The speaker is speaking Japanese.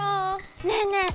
ねえねえ